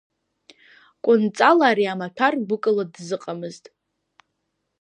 Кәынҵал ари амаҭәар гәыкала дазыҟамызт.